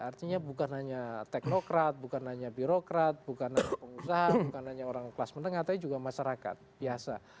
artinya bukan hanya teknokrat bukan hanya birokrat bukan hanya pengusaha bukan hanya orang kelas menengah tapi juga masyarakat biasa